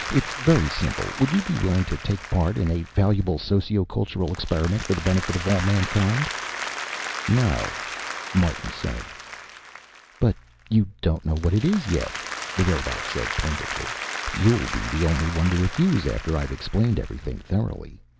It's very simple. Would you be willing to take part in a valuable socio cultural experiment for the benefit of all mankind?" "No," Martin said. "But you don't know what it is yet," the robot said plaintively. "You'll be the only one to refuse, after I've explained everything thoroughly.